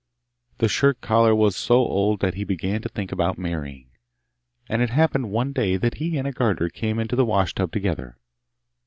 The shirt collar was so old that he began to think about marrying; and it happened one day that he and a garter came into the wash tub together.